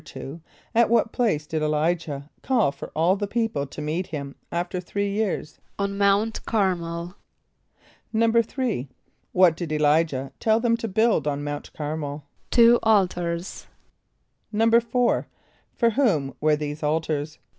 = At what place did [+E] l[=i]´jah call for all the people to meet him after three years? =On Mount Cär´mel.= =3.= What did [+E] l[=i]´jah tell them to build on Mount Cär´mel? =Two altars.= =4.= For whom were these altars?